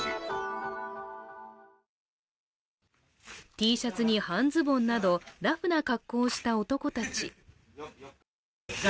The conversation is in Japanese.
Ｔシャツに半ズボンなどラフな格好をした男たち。